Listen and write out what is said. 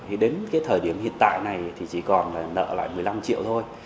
thì đến cái thời điểm hiện tại này thì chỉ còn là nợ lại một mươi năm triệu thôi